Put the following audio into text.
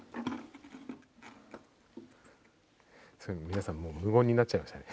皆さんもう無言になっちゃいましたね。